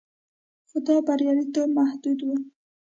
خو دا بریالیتوب محدود و